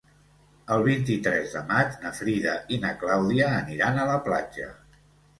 El vint-i-tres de maig na Frida i na Clàudia aniran a la platja.